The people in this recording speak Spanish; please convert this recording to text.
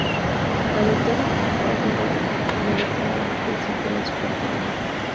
La doctora Holloway le declara muerto y se llevan su cuerpo a la morgue.